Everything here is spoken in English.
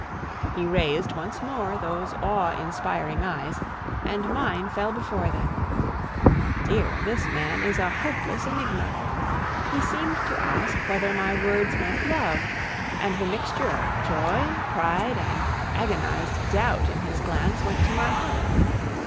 He raised once more those awe inspiring eyes, and mine fell before them. Dear, this man is a hopeless enigma. He seemed to ask whether my words meant love; and the mixture of joy, pride, and agonized doubt in his glance went to my heart.